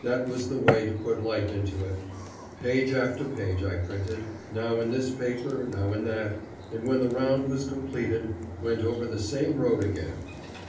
That was the way to put life into it. Page after page I printed, now in this paper, now in that, and when the round was completed, went over the same road again.